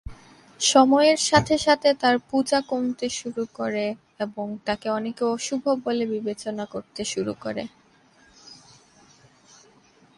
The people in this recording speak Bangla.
সময়ের সাথে সাথে তার পূজা কমতে শুরু করে এবং তাকে অনেকে অশুভ বলে বিবেচনা করতে শুরু করে।